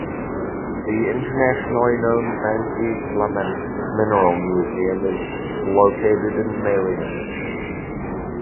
The internationally known Ben E. Clement Mineral Museum is located in Marion.